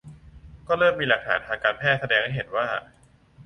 ก็เริ่มมีหลักฐานทางการแพทย์แสดงให้เห็นว่า